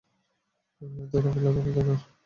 তোরা খেলাধুলার দোকানে!